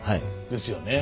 ですよね。